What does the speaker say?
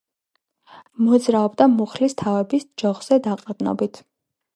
მოძრაობდა მუხლის თავებით, ჯოხზე დაყრდნობილი.